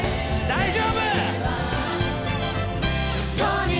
大丈夫！